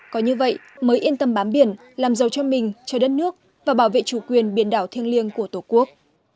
có như vậy mới yên tâm bám biển làm giàu cho mình cho đất nước và bảo vệ chủ quyền biển đảo thiêng liêng của tổ quốc